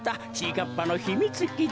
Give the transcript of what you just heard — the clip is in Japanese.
かっぱのひみつきち。